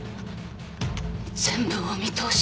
全部お見通し。